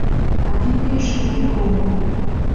А тиде эше ойго огыл.